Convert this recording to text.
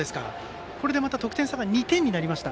これでまた得点差が２点になりました。